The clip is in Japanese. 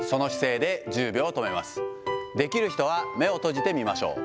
できる人は目を閉じてみましょう。